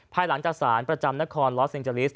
ภายหลังจากศาลประจำนครล็อสเซงเจอร์ลิสต์